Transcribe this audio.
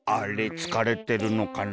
つかれてるのかな？